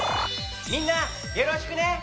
みんなよろしくね！